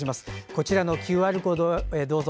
こちらのＱＲコードにどうぞ。